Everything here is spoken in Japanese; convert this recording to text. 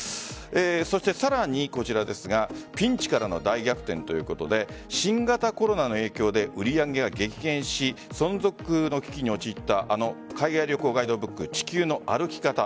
そして、さらにこちらですがピンチからの大逆転ということで新型コロナの影響で売り上げが激減し存続の危機に陥ったあの海外旅行ガイドブック「地球の歩き方」